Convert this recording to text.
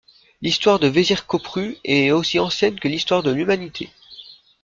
L'Histoire de Vezirköprü est aussi ancienne que l'histoire de l'humanité.